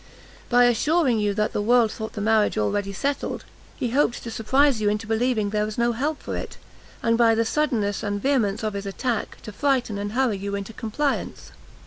By assuring you that the world thought the marriage already settled, he hoped to surprise you into believing there was no help for it, and by the suddenness and vehemence of the attack, to frighten and hurry you into compliance.